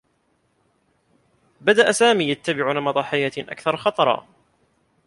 بدأ سامي يتّبع نمط حياة أكثر خطرا.